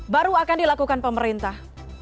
baru akan dilakukan pemerintah